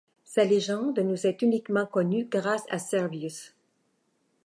Sa légende nous est uniquement connue grâce à Servius.